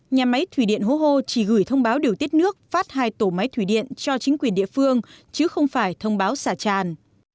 nhà máy thủy điện hố hô chỉ gửi thông báo điều tiết nước phát hai tổ máy thủy điện cho chính quyền địa phương chứ không phải thông báo xả tràn